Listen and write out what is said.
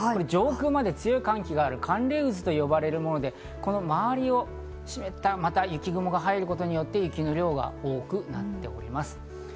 上空まで強い寒気がある寒冷渦と呼ばれるもので、この周りを湿った雪雲が入ることによって雪の量が多くなっております。